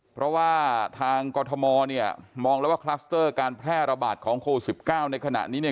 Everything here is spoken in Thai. เพราะว่าทางกรทมมองแล้วว่าคลัสเตอร์การแพร่ระบาดของโคล๑๙ในขณะนี้